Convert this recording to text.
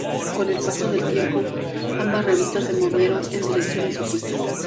Con el paso del tiempo, ambas revistas se movieron en direcciones opuestas.